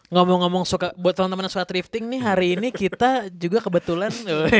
ngomong ngomong suka buat temen temen yang suka thrifting nih hari ini kita juga kebetulan